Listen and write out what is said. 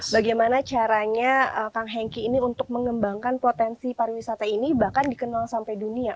bagaimana caranya kang henki ini untuk mengembangkan potensi pariwisata ini bahkan dikenal sampai dunia